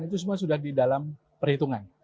itu semua sudah di dalam perhitungan